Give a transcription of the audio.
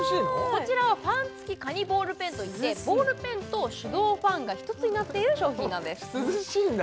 こちらはファン付カニボールペンといってボールペンと手動ファンが１つになっている商品なんです涼しいんだ？